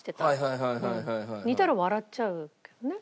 いたら笑っちゃうよね。